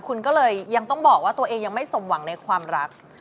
คุณก็เลยยังต้องบอกว่าตัวเองยังไม่สมหวังในความรัก